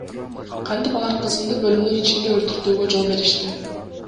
Кантип алар кызымды бөлүмдүн ичинде өлтүртүүгө жол беришти?